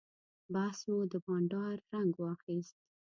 بحث مو د بانډار رنګ واخیست.